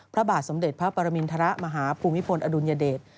พระบาทสมเด็จพระปรมินทรมาฮภูมิพลอดุลยเดช